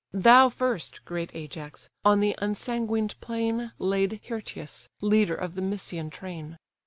Thou first, great Ajax! on the unsanguined plain Laid Hyrtius, leader of the Mysian train.